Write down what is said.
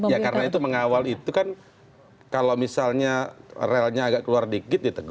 ya karena itu mengawal itu kan kalau misalnya relnya agak keluar dikit ditegur